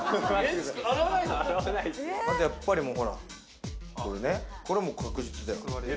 あと、やっぱりほら、これもう確実だよ。